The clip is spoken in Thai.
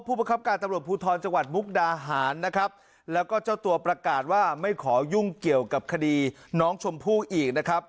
ประคับการตำรวจภูทรจังหวัดมุกดาหารนะครับแล้วก็เจ้าตัวประกาศว่าไม่ขอยุ่งเกี่ยวกับคดีน้องชมพู่อีกนะครับ